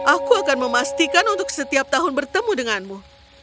aku akan memastikan untuk setiap tahun bertemu denganmu